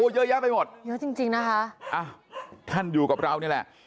เยอะแยะไปหมดเยอะจริงจริงนะคะอ่ะท่านอยู่กับเรานี่แหละ